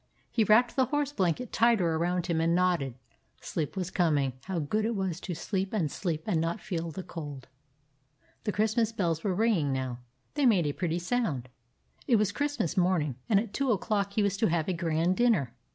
He wrapped the horse blanket tighter around him, and nodded. ... Sleep was coming ... how good it was to sleep and sleep and not feel the cold. ... The Christmas bells were ringing now; they made a pretty sound. It was Christmas morning, and at two o'clock he was to have a grand dinner.